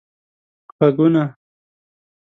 ږغونه